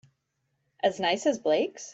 As nice as Blake's?